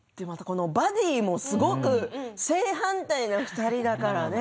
バディーもすごく正反対な２人だからね。